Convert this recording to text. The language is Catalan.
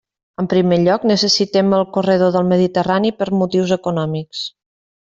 En primer lloc, necessitem el corredor del Mediterrani per motius econòmics.